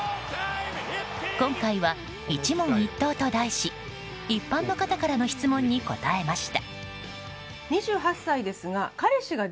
今回はイチ問一答と題し一般の方からの質問に答えました。